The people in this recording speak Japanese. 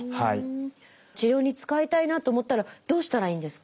治療に使いたいなと思ったらどうしたらいいんですか？